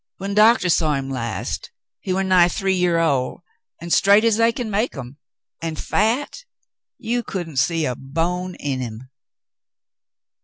When doctah saw him last, he war nigh three year old an' straight as they make 'em, an' fat — you couldn't see a bone in him."